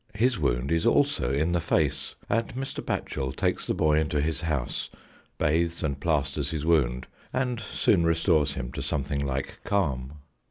His wound is also in the face, and Mr. Batchel takes the boy into his house, bathes and plasters his wound, and soon restores him to something like calm.